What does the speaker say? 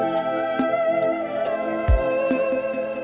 dan kita harus mencari